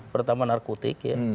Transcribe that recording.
pertama narkotik ya